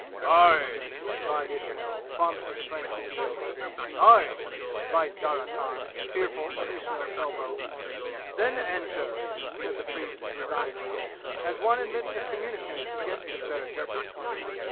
"Aye!" lied Ismail, prompt as friend can be. "Aye!" lied Darya Khan, fearful of Ismail's elbow. "Then, enter!" said the priest resignedly, as one admits a communicant against his better judgment.